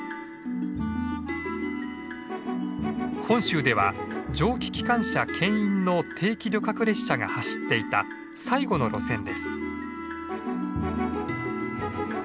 本州では蒸気機関車けん引の定期旅客列車が走っていた最後の路線です。